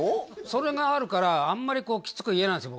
それがあるからあんまりこうきつく言えないんです